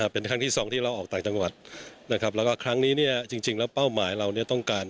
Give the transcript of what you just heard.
เป็นครั้งที่สองที่เราออกต่างจังหวัดและครั้งนี้เนี่ยป้าวหมายเราต้องการ